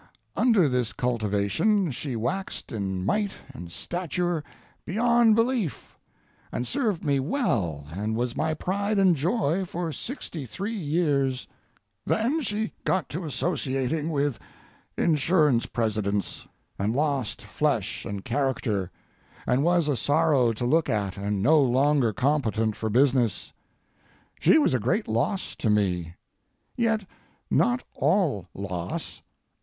Under this cultivation she waxed in might and stature beyond belief, and served me well and was my pride and joy for sixty three years; then she got to associating with insurance presidents, and lost flesh and character, and was a sorrow to look at and no longer competent for business. She was a great loss to me. Yet not all loss.